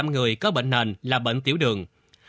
ba trăm một mươi năm người có bệnh nền là bệnh tiểu đường